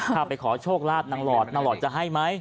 ถ้าไปขอโชคลาภนางหลอดนางหลอดจะให้ไหม